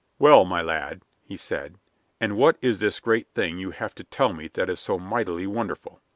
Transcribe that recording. "Well, my lad," he said, "and what is this great thing you have to tell me that is so mightily wonderful?